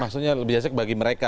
maksudnya lebih asik bagi mereka